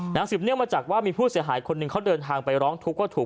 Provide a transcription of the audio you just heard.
สืบเนื่องมาจากว่ามีผู้เสียหายคนหนึ่งเขาเดินทางไปร้องทุกข์ว่าถูก